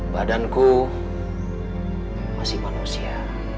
badanku masih manusia